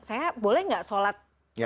saya boleh nggak sholat